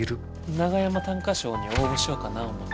長山短歌賞に応募しようかな思て。